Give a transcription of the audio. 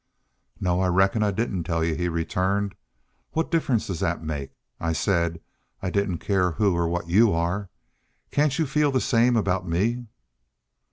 "No, reckon I didn't tell," he returned. "What difference does that make? I said I didn't care who or what you are. Can't you feel the same about me?"